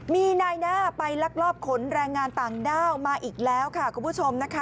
มีนายหน้าไปลักลอบขนแรงงานต่างด้าวมาอีกแล้วค่ะคุณผู้ชมนะคะ